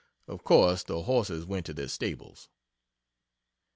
Of course the horses went to their stables.